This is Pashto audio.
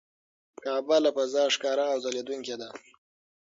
کعبه له فضا ښکاره او ځلېدونکې ده.